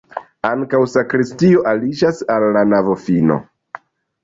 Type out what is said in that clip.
Ankaŭ sakristio aliĝas al la navofino.